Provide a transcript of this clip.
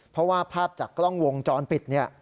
เพราะว่าภาพจากกล้องวงจรปิดเนี่ย